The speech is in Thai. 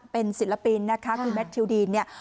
เป็นศิลปินนะคะคุณแมททิวดีนเนี่ย